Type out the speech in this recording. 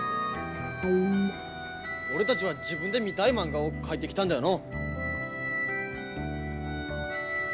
俺たちは自分で見たいまんがを描いてきたんだよな。